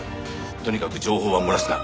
とにかく情報は漏らすな。